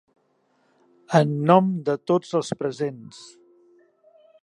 En nom de tots els presents.